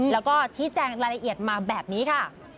แล้วก็ชี้แจงรายละเอียดมาแบบนี้ค่ะ